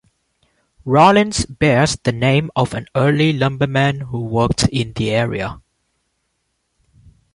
Rollins bears the name of an early lumberman who worked in the area.